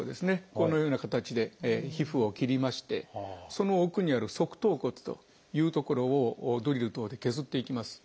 このような形で皮膚を切りましてその奥にある側頭骨という所をドリル等で削っていきます。